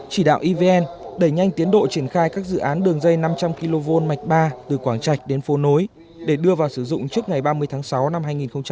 chỉ đạo evn đẩy nhanh tiến độ triển khai các dự án đường dây năm trăm linh kv mạch ba từ quảng trạch đến phố nối để đưa vào sử dụng trước ngày ba mươi tháng sáu năm hai nghìn hai mươi